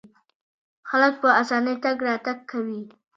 خلک په اسانۍ تګ راتګ کوي.